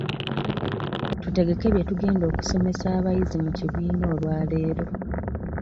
Tutegeke bye tugenda okusomesa abayizi mu kibiina olwaleero.